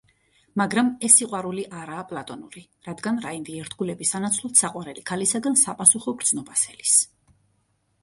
მაგრამ ეს სიყვარული არაა პლატონური, რადგან რაინდი ერთგულების სანაცვლოდ საყვარელი ქალისგან საპასუხო გრძნობას ელის.